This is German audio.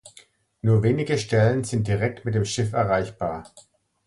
Nur wenige Stellen sind direkt mit dem Schiff erreichbar.